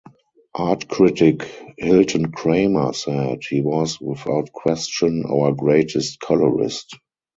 Art critic Hilton Kramer said, He was, without question, our greatest colorist...